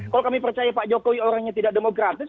kalau kami percaya pak jokowi orangnya tidak demokratis